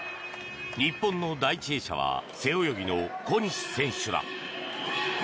日本の第１泳者は背泳ぎの小西選手だ。